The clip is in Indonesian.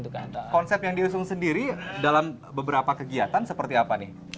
konsep yang diusung sendiri dalam beberapa kegiatan seperti apa nih